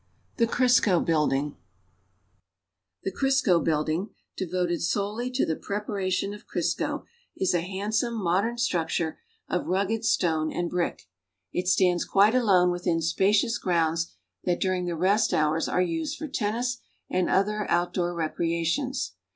THE CRISCO BUILDING The Crisco building, devoted solely to the preparation f)f Crisco, is a handsome, modern structure of rugged stone and brick. It stands quite alone within spacious grounds tliat during the rest hours are used for tennis and other outdoor recreations.